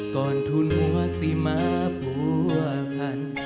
ก่อนทุนหัวสิมาผัวพัน